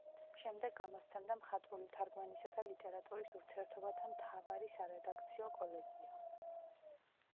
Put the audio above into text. შემდეგ გამოსცემდა მხატვრული თარგმანისა და ლიტერატურის ურთიერთობათა მთავარი სარედაქციო კოლეგია.